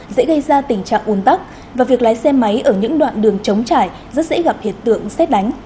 dễ gây ra tình trạng ồn tắc và việc lái xe máy ở những đoạn đường chống trải rất dễ gặp hiện tượng xét đánh